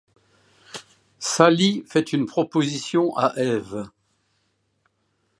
Sally fait une proposition à Eve.